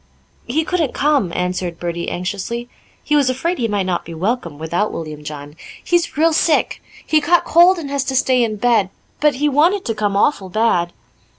"He couldn't come," answered Bertie anxiously he was afraid he might not be welcome without William John. "He's real sick. He caught cold and has to stay in bed; but he wanted to come awful bad."